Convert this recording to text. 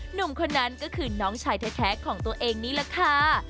หนุ่มคนนั้นก็คือน้องชายแท้ของตัวเองนี่แหละค่ะ